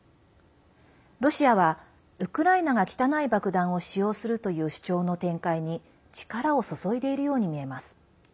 ロシアは、ウクライナが汚い爆弾を使用するという主張の展開に力を注いでいるように見えます。